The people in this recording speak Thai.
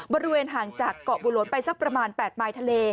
บริเวณห่างจากเกาะบุหลวนไปสักประมาณ๘มายทะเล